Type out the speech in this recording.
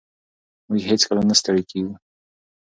موږ هېڅکله نه ستړي کېږو.